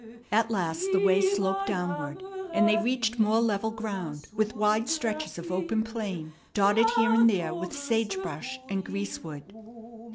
At last the way sloped downward, and they reached more level ground, with wide stretches of open plain, dotted here and there with sage brush and greasewood.